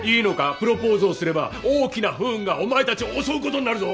プロポーズをすれば大きな不運がお前たちを襲うことになるぞ！